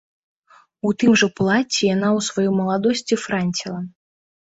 У тым жа плацці яна ў сваёй маладосці франціла.